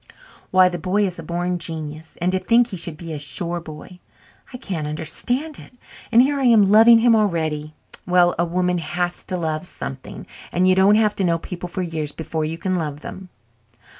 "Why, the boy is a born genius and to think he should be a shore boy! I can't understand it. And here I am loving him already. Well, a woman has to love something and you don't have to know people for years before you can love them."